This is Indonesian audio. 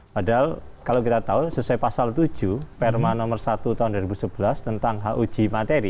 padahal kalau kita tahu sesuai pasal tujuh perma nomor satu tahun dua ribu sebelas tentang huj materi